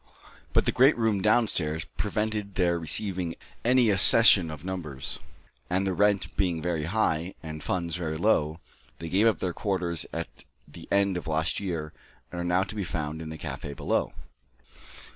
But the great room down stairs prevented their receiving any accession of numbers, and the rent being very high, and funds very low, they gave up their quarters at the end of last year, and are now to be found in the café below.